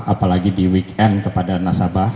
apalagi di weekend kepada nasabah